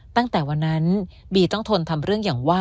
ตั้งแต่วันนั้นบีต้องทนทำเรื่องอย่างว่า